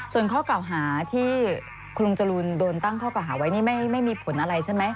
ส่วนข้อเก่าหาที่คุณลุงจรูนโดนตั้งข้อเก่าหาไว้นี่ไม่มีผลอะไรใช่ไหม